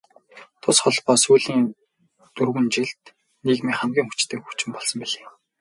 Тус холбоо сүүлийн дөрвөн жилд нийгмийн хамгийн хүчтэй хүчин болсон билээ.